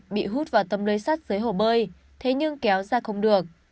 bị hút vào tâm lưới sắt dưới hồ bơi thế nhưng kéo ra không được